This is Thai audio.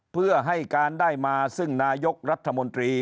เพื่อให้การได้มาซึ่งนายกรัฐมนตรี